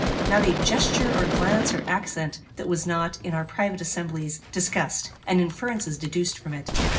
Not a gesture, or glance, or accent, that was not, in our private assemblies, discussed, and inferences deduced from it.